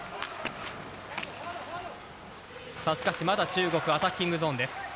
まだ中国、アタッキングゾーンです。